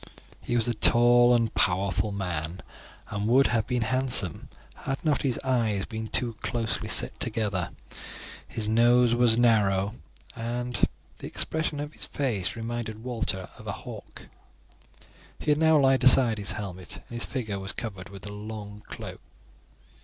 He was a tall and powerful man, and would have been handsome had not his eyes been too closely set together; his nose was narrow, and the expression of his face reminded Walter of a hawk. He had now laid aside his helmet, and his figure was covered with a long cloak.